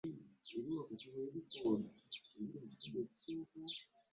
Leero ssimuwerekeddeeko, kyokka aŋŋambye nti alina by'ayagala okumbuuza.